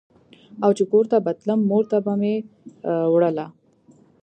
او چې کور ته به تلم مور ته به مې وړله.